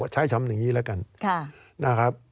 ใช้ชำแบบนี้แล้วกัน